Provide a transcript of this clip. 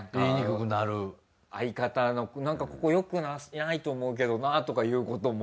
相方のなんかここよくないと思うけどなとかいうことも。